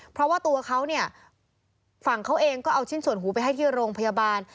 เพราะว่าตัวเขาเนี่ยฝั่งเขาเองก็เอาชิ้นส่วนหูไปให้ที่โรงพยาบาล